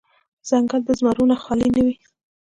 ـ ځنګل د زمرو نه خالې نه وي.